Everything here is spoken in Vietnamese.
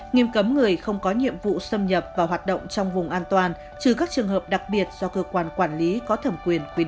nghiêm cấm người không có nhiệm vụ xâm nhập và hoạt động trong vùng an toàn trừ các trường hợp đặc biệt do cơ quan quản lý có thẩm quyền quy định